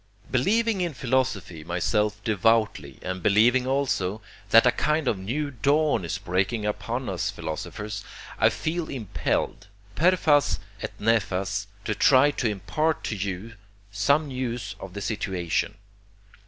Believing in philosophy myself devoutly, and believing also that a kind of new dawn is breaking upon us philosophers, I feel impelled, per fas aut nefas, to try to impart to you some news of the situation.